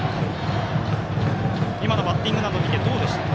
今のバッティングなどを見てどうでしたか。